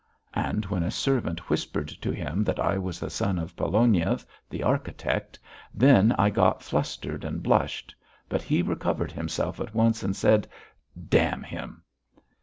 And when a servant whispered to him that I was the son of Pologniev, the architect, then I got flustered and blushed, but he recovered himself at once and said: "Damn him."